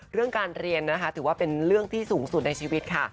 เรื่องการเรียนนะคะถือว่าเป็นเรื่องที่สูงสุดในชีวิตค่ะ